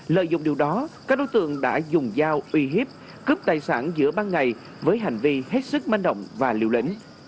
lợi dụng điều đó các đối tượng đã dùng dao uy hiếp cướp tài sản giữa ban ngày với hành vi hết sức manh động và liều lĩnh